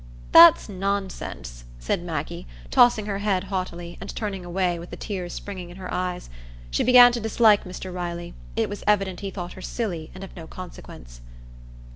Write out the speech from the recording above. "That's nonsense!" said Maggie, tossing her head haughtily, and turning away, with the tears springing in her eyes. She began to dislike Mr Riley; it was evident he thought her silly and of no consequence.